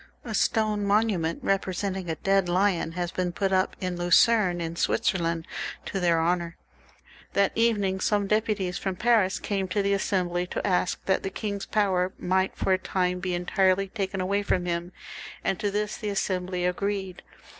A stone monument, representing a dead lion, has been put up at Lucerne, in Switzerland, to their honour. That evening some deputies from Paris came to the Assembly to ask that the king's power might for a time be entirely taken away from him, and to this the Assembly XLVIIL] THE REVOLUTION. 40a agreed.